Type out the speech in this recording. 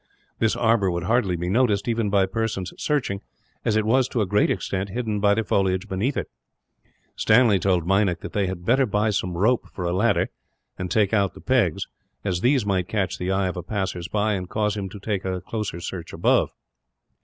This arbour would hardly be noticed, even by persons searching; as it was, to a great extent, hidden by the foliage beneath it. Stanley told Meinik that they had better buy some rope for a ladder, and take out the pegs; as these might catch the eye of a passer by, and cause him to make a close search above.